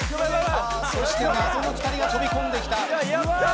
そして謎の２人が飛び込んできた。